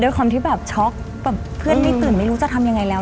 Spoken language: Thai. ความที่แบบช็อกแบบเพื่อนไม่ตื่นไม่รู้จะทำยังไงแล้ว